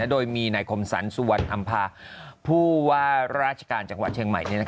โดยมีนายคมสรรสุวรรณอำภาผู้ว่าราชการจังหวัดเชียงใหม่